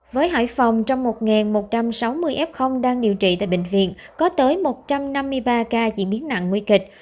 với hải phòng trong một một trăm sáu mươi f đang điều trị tại bệnh viện có tới một trăm năm mươi ba ca diễn biến nặng nguy kịch